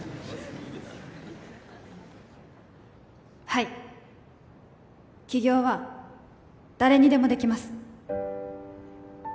はい起業は誰にでもできます